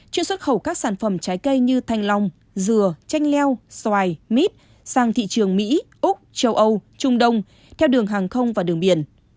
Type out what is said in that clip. chuyên xuất khẩu các sản phẩm trái cây như thanh long dừa chanh leo xoài mít sang thị trường mỹ úc châu âu trung đông theo đường hàng không và đường biển